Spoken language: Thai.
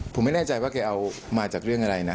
ผมไม่แน่ใจว่าแกเอามาจากเรื่องอะไรนะ